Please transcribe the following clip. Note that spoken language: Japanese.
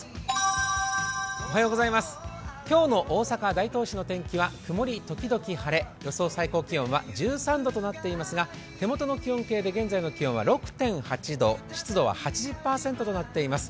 今日の大阪大東市の天気は曇りときどき晴れ、予想最高気温は１３度となっていますが、手元の気温計で現在の気温６．８度湿度は８０％となっています。